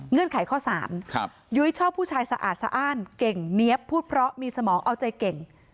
ไขข้อ๓ยุ้ยชอบผู้ชายสะอาดสะอ้านเก่งเนี๊ยบพูดเพราะมีสมองเอาใจเก่ง